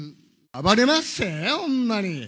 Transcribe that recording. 暴れまっせー、ほんまに。